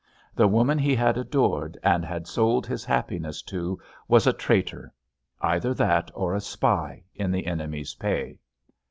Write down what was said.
The woman he had adored and had sold his happiness to was a traitor—either that, or a spy in the enemy's pay.